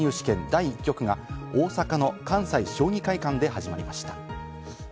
第１局が大阪の関西将棋会館で始まりました。